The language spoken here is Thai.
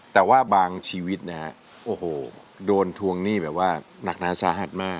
แต่ว่าบางชีวิตนะฮะโอ้โหโดนทวงหนี้แบบว่าหนักหนาสาหัสมาก